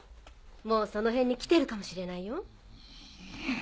もうその辺に来てるかもしれないよ。